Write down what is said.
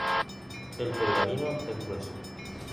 El pergamino es grueso.